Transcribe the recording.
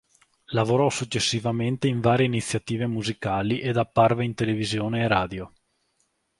Lavorò successivamente in varie iniziative musicali ed apparve in televisione e radio.